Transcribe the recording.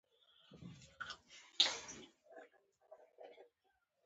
هلک د زړونو خندا ده.